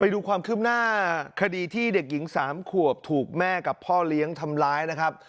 ดูความคืบหน้าคดีที่เด็กหญิง๓ขวบถูกแม่กับพ่อเลี้ยงทำร้ายนะครับ